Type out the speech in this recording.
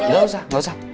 engga usah engga usah